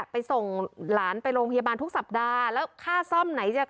ไปส่งหลานไปโรงพยาบาลทุกสัปดาห์แล้วค่าซ่อมไหนจะ